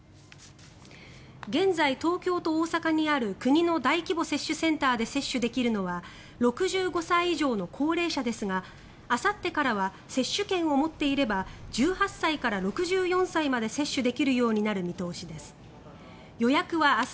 現在、東京と大阪にある国の大規模接種センターで接種できるのは６５歳以上の高齢者ですがあさってからは接種券を持っていれば１８歳から６４歳まで接種できるようになる見通しです。